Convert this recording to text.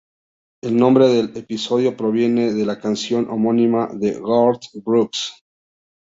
El nombre del episodio proviene de la canción homónima de Garth Brooks.